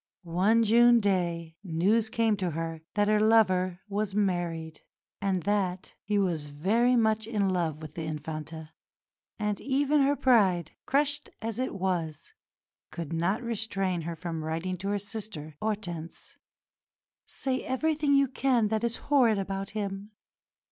One June day news came to her that her lover was married and that "he was very much in love with the Infanta"; and even her pride, crushed as it was, could not restrain her from writing to her sister, Hortense, "Say everything you can that is horrid about him.